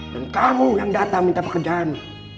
dan kamu yang datang minta pekerjaan